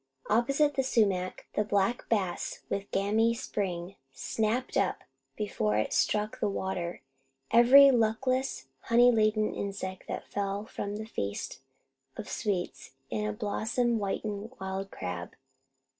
Opposite the sumac, the black bass, with gamy spring, snapped up, before it struck the water, every luckless, honey laden insect that fell from the feast of sweets in a blossom whitened wild crab.